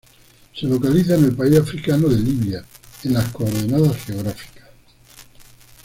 Se localiza en el país africano de Libia en las coordenadas geográficas